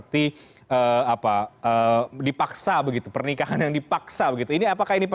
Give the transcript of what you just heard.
tadi sudah banyak yang kita bahas